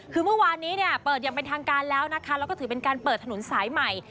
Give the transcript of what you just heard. คือเมื่อวานนี้เนี่ยเปิดอย่างเป็นทางการแล้วนะคะแล้วก็ถือเป็นการเปิดถนนสายใหม่